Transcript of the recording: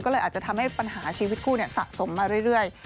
ก็เลยอาจจะทำให้ปัญหาชีวิตคู่สะสมมาเรื่อย